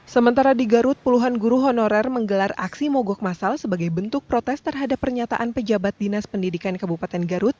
sementara di garut puluhan guru honorer menggelar aksi mogok masal sebagai bentuk protes terhadap pernyataan pejabat dinas pendidikan kabupaten garut